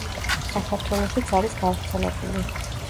საქართველოშიც არის გავრცელებული.